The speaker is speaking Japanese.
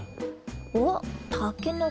おったけのこ